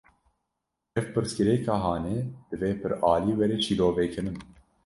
Ev pirsgirêka hanê, divê piralî were şîrovekirin